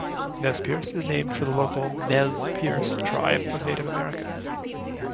Nezperce is named for the local Nez Perce tribe of Native Americans.